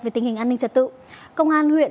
về tình hình an ninh trật tự công an huyện